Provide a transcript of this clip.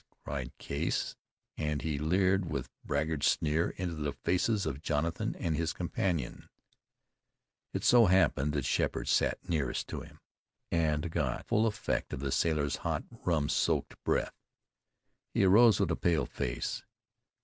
cried Case, and he leered with braggart sneer into the faces of Jonathan and his companions. It so happened that Sheppard sat nearest to him, and got the full effect of the sailor's hot, rum soaked breath. He arose with a pale face.